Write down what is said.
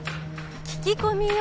聞き込みよ。